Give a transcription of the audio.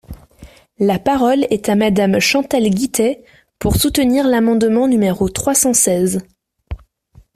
La parole est à Madame Chantal Guittet, pour soutenir l’amendement numéro trois cent seize.